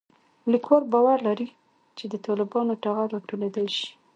لیکوال باور لري چې د طالبانو ټغر راټولېدای شي